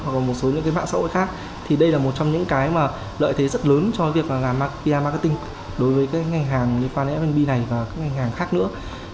đối với những mạng xã hội khác thì đây là một trong những cái lợi thế rất lớn cho việc làm pr marketing đối với các ngành hàng f b này và các ngành hàng khác nữa